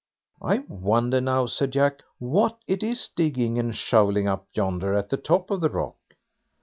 "I wonder now," said Jack, "what it is digging and shovelling up yonder at the top of the rock."